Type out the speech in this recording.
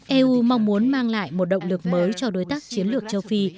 eu mong muốn mang lại một động lực mới cho đối tác chiến lược châu phi